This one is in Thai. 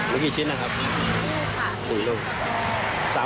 มักกล้า